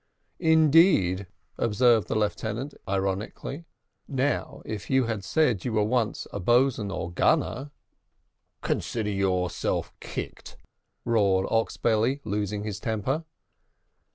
"Indeed!" observed the lieutenant ironically; "now, if you had said you were once a boatswain or gunner." "Consider yourself kicked," roared Oxbelly, losing his temper.